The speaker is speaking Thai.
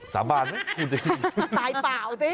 สาบานนะตายเปล่าสิ